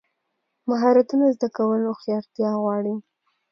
مهارتونه زده کول هوښیارتیا غواړي.